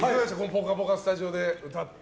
「ぽかぽか」のスタジオで歌って。